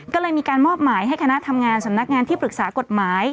ก็เลยมีการมอบหมายให้คณะทำงานสำนักงานที่ปรึกษากฎหมาย